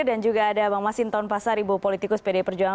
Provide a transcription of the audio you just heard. dan juga ada bang masinton pasar ibu politikus pd perjuangan